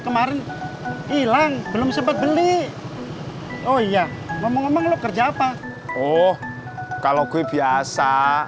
kemarin hilang belum sempat beli oh iya ngomong ngomong lo kerja apa oh kalau kue biasa